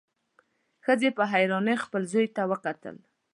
ښځې په حيرانۍ خپل زوی ته وکتل.